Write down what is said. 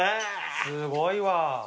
すごいわ。